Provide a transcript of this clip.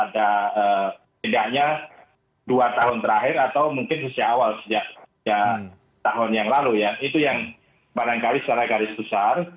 tidaknya dua tahun terakhir atau mungkin sejak awal sejak tahun yang lalu ya itu yang barangkali secara garis besar